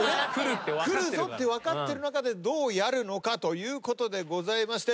くるぞって分かってる中でどうやるのかということでございまして。